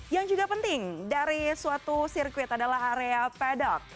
yang juga penting dari suatu sirkuit adalah area pedok